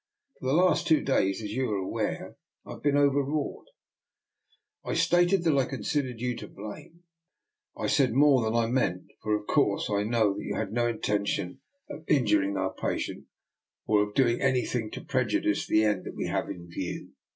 For the last two days, as you are aware, I have been overwrought. When 204 ^^' NIKOLA'S EXPERIMENT. I Stated that I considered you to blame, I said more than I meant; for, of course, I know that you had no intention of injuring our pa tient, or of doing anything to prejudice the end we have in view.